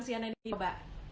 sian and iba